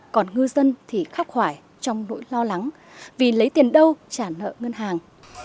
còn ngư dân thì khắc hoài trong nỗi lo lắng vì lấy tiền đâu trả nợ ngân hàng